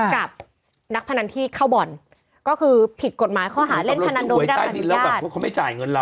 กับนักพนันที่เข้าบ่อนก็คือผิดกฎหมายเขาหาเล่นพนันโดยด้านปฏิบิจารณ์